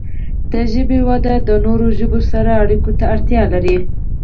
د ژبې وده د نورو ژبو سره اړیکو ته اړتیا لري.